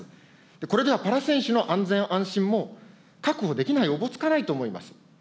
これではパラ選手の安全安心も確保できない、おぼつかないと思います。